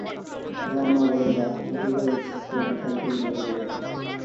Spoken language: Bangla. তাহার মা বলে, যাঃ, অসুখ হয়ে তোর খাই খাই বড় বেড়েছে।